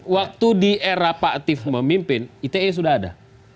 waktu di era pak atif memimpin ite sudah ada